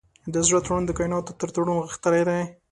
د زړه تړون د کایناتو تر تړون غښتلی دی.